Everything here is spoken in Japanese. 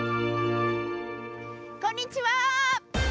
こんにちは！